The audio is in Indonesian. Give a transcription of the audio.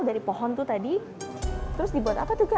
dari pohon tuh tadi terus dibuat apa juga